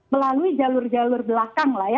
melalui jalur jalur belakang lah ya